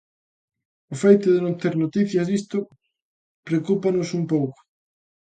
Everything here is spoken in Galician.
O feito de non ter noticias disto preocúpanos un pouco.